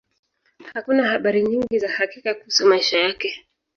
Hakuna habari nyingi za hakika kuhusu maisha yake.